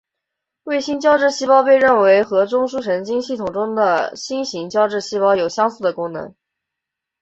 卫星胶质细胞被认为和中枢神经系统中的星型胶质细胞有相似的功能。